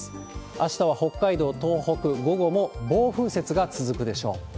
あしたは北海道、東北、午後も暴風雪が続くでしょう。